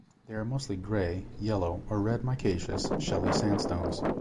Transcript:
They are mostly grey, yellow or red micaceous, shaly sandstones.